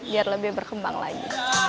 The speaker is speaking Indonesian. biar lebih berkembang lagi